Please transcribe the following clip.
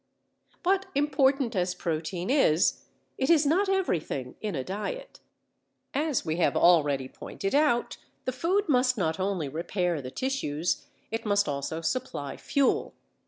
But important as protein is it is not everything in a diet. As we have already pointed out the food must not only repair the tissues, it must also supply fuel.